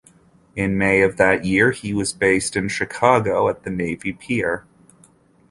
In May of that year, he was based in Chicago at the Navy Pier.